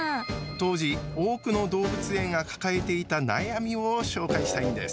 当時多くの動物園が抱えていた悩みを紹介したいんです。